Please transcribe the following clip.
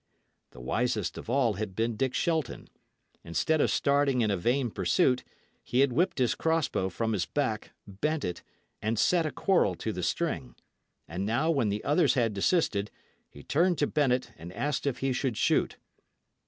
The wisest of all had been Dick Shelton. Instead of starting in a vain pursuit, he had whipped his crossbow from his back, bent it, and set a quarrel to the string; and now, when the others had desisted, he turned to Bennet and asked if he should shoot.